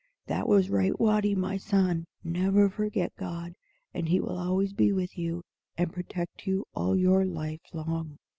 "That was right, Watty, my son. Never forget God, and He will always be with you, and protect you all your life long.